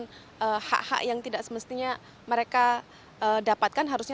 dengan hak hak yang tidak semestinya mereka dapatkan harusnya